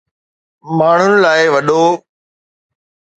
ماڻھن لاء وڏو